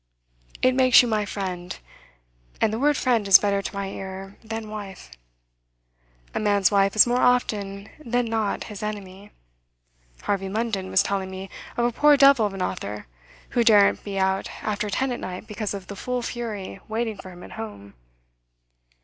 It makes you my friend; and the word friend is better to my ear than wife. A man's wife is more often than not his enemy. Harvey Munden was telling me of a poor devil of an author who daren't be out after ten at night because of the fool fury waiting for him at home.